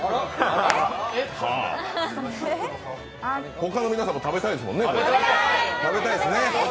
ほかの皆さんも食べたいですもんね？